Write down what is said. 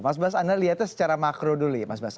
mas bas anda lihatnya secara makro dulu ya mas bas